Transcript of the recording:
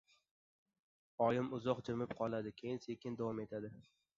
— Oyim uzoq jimib qoladi, keyin sekin davom etadi.